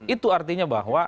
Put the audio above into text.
itu artinya bahwa